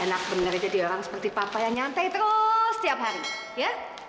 enak bener jadi orang seperti papa yang nyantai terus setiap hari ya